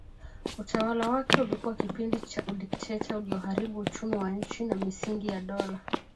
Utawala wake ulikuwa kipindi cha udikteta ulioharibu uchumi wa nchi na misingi ya dola